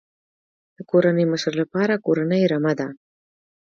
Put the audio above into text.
د کورنۍ مشر لپاره کورنۍ رمه ده.